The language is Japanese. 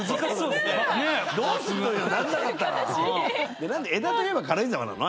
で何で枝といえば軽井沢なの？